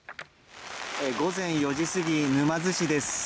午前４時過ぎ、沼津市です。